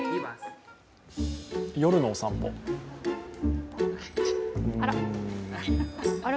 夜のお散歩。